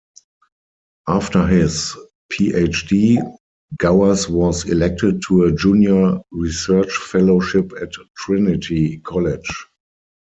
After his PhD, Gowers was elected to a Junior Research Fellowship at Trinity College.